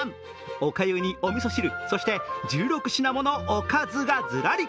おかゆにおみそ汁そして１６品ものおかずがずらり。